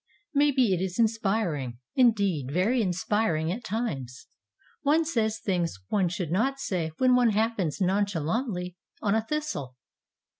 Maybe it is inspiring, indeed very inspiring at times. One says things one should not say when one happens nonchalantly on a thistle.